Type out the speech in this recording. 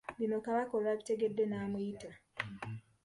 Bino kabaka olwabitegedde n'amuyita.